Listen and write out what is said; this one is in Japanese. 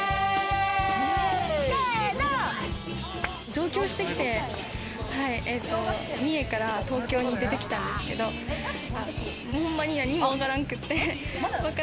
上京してきて、三重から東京に出てきたんですけど、ほんまに何もわからんくて。